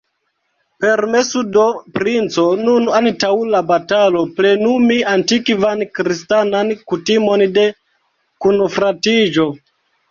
Permesu do, princo, nun, antaŭ la batalo, plenumi antikvan kristanan kutimon de kunfratiĝo!